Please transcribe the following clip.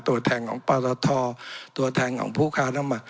ตัวแทนของปตทตัวแทนของผู้ค้าน้ำมัน